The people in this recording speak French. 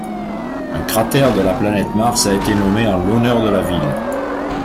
Un cratère de la planète Mars a été nommé en l'honneur de la ville.